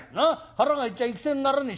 腹が減っちゃ戦にならねえ。